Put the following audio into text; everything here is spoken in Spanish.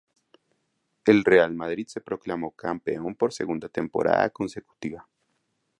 El Real Madrid se proclamó campeón por segunda temporada consecutiva.